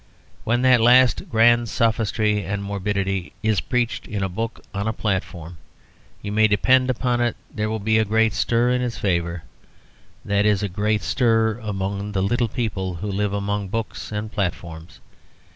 When that last grand sophistry and morbidity is preached in a book or on a platform, you may depend upon it there will be a great stir in its favour, that is, a great stir among the little people who live among books and platforms.